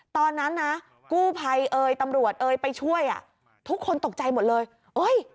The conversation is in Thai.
ตอนนั้นนะกู้ภัยเอ่ยตำรวจเอ่ยไปช่วยอ่ะทุกคนตกใจหมดเลยเอ้ย